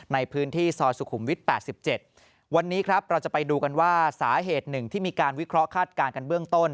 ในพื้นที่ซอยสุขุมวิท๘๗วันนี้ครับเราจะไปดูกันว่าสาเหตุหนึ่งที่มีการวิเคราะห์คาดการณ์กันเบื้องต้น